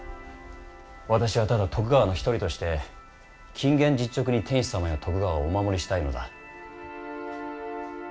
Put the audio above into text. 私はただ徳川の一人として謹厳実直に天子様や徳川をお守りしたいのだ。